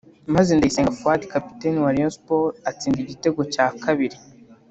maze Ndayisenga Fuadi Kapiteni wa Rayon Sport atsinda igitego cya kabiri